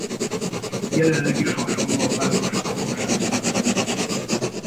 Jelenleg is hasonló a város lakosságszáma.